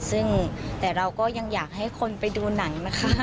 ซึ่งแต่เราก็ยังอยากให้คนไปดูหนังนะคะ